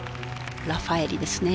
「ラファエーリ」ですね。